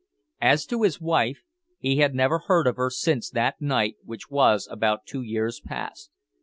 As to his wife, he had never heard of her since that night which was about two years past.